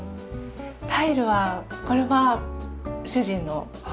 タイルはこれは主人の好みで。